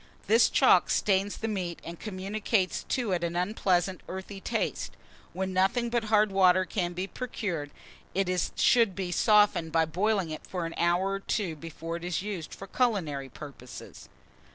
This chalk stains the meat, and communicates to it an unpleasant earthy taste. When nothing but hard water can be procured, it should be softened by boiling it for an hour or two before it is used for culinary purposes.